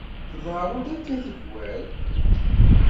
Tḍerru-d akka tikkwal.